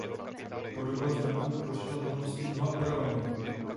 Podoba znaku prošla v minulosti mnoha úpravami.